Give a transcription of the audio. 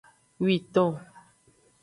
Witon.